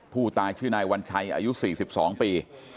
ผู้ตายชื่อนายวัญชัยอายุ๔๒ปี